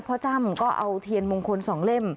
พ่อจ้ามก็เอาเทียนมงคลสองเล่ม